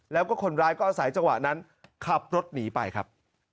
แล้วก็คนร้ายก็อาศัยจังหวะนั้นขับรถหนีไปครับ